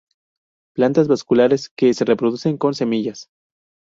Plantas vasculares que se reproducen con semillas.